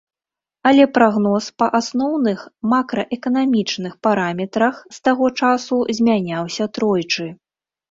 Але прагноз па асноўных макраэканамічных параметрах з таго часу змяняўся тройчы.